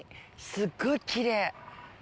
すっごいきれい。